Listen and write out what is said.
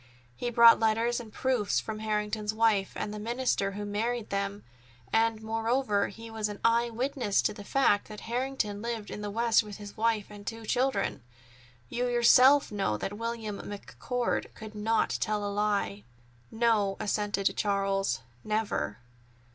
He brought letters and proofs from Harrington's wife and the minister who married them, and, moreover, he was an eye witness to the fact that Harrington lived in the West with his wife and two children. You yourself know that William McCord could not tell a lie." "No," assented Charles; "never."